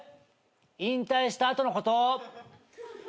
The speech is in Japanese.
引退した後のこと。